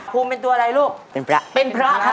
ภูมิเป็นตัวอะไรลูกเป็นพระเป็นพระครับ